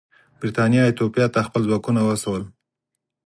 برېټانیا ایتوپیا ته خپل ځواکونه واستول.